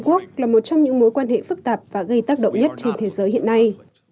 trung quốc là một trong những mối quan hệ phức tạp và gây tác động nhất trên thế giới hiện nay